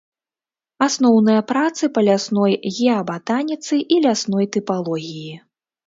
Асноўныя працы па лясной геабатаніцы і лясной тыпалогіі.